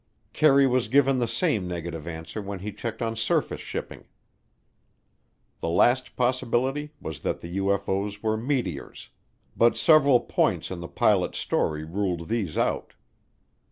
Kerry was given the same negative answer when he checked on surface shipping. The last possibility was that the UFO's were meteors, but several points in the pilots' story ruled these out.